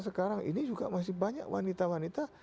sekarang ini juga masih banyak wanita wanita